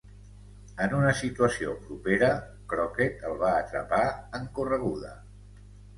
En una situació propera, Crockett el va atrapar en correguda.